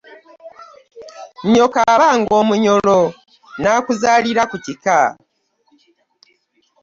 Nyokko abanga omunyolo n'akuzalira ku kika .